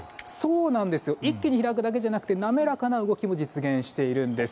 一気に開くだけでなく滑らかな動きも実現しているんです。